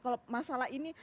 kalau masalah ini